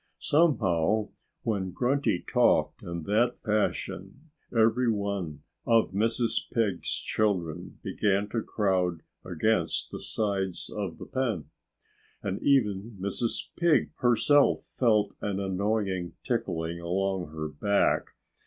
Somehow, when Grunty talked in that fashion every one of Mrs. Pig's children began to crowd against the sides of the pen. And even Mrs. Pig herself felt an annoying tickling along her back.